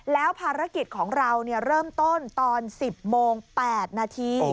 แล้วภารกิจของเราเริ่มต้นตอน๑๐โมง๘นาที